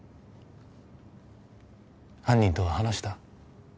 犯人とは話した？